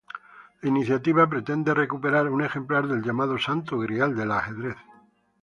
La iniciativa pretende recuperar un ejemplar del llamado "Santo Grial del Ajedrez".